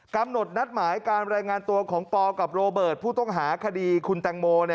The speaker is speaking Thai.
กำหนดนัดหมายการรายงานตัวของปอกับโรเบิร์ตผู้ต้องหาคดีคุณแตงโม